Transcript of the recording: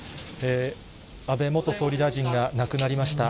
安倍元総理大臣が亡くなりました。